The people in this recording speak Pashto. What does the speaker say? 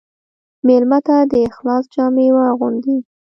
مېلمه ته د اخلاص جامې واغوندې.